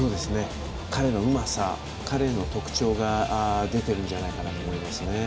彼のうまさ、彼の特徴が出てるんじゃないかなと思いますね。